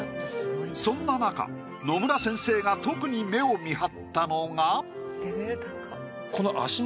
そんななか野村先生が特に目をみはったのが。